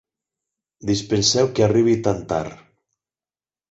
Dispenseu que arribi tan tard.